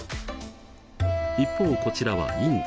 一方こちらはインド。